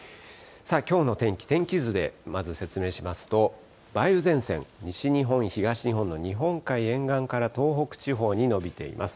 きょうの天気、天気図でまず説明しますと、梅雨前線、西日本、東日本の日本海沿岸から東北地方に延びています。